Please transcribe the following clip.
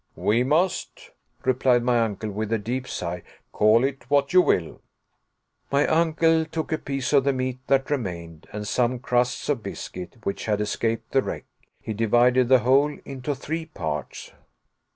"We must," replied my uncle, with a deep sigh, "call it what you will." My uncle took a piece of the meat that remained, and some crusts of biscuit which had escaped the wreck. He divided the whole into three parts.